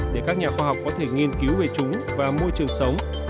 để các nhà khoa học có thể nghiên cứu về chúng và môi trường sống